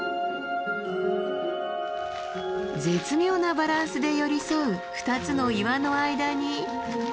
絶妙なバランスで寄り添う二つの岩の間に。